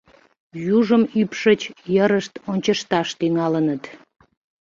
Южым ӱпшыч йырышт ончышташ тӱҥалыныт.